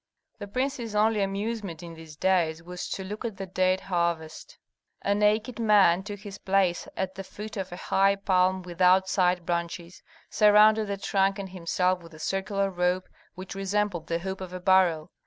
The prince's only amusement in these days was to look at the date harvest. A naked man took his place at the foot of a high palm without side branches, surrounded the trunk and himself with a circular rope which resembled the hoop of a barrel.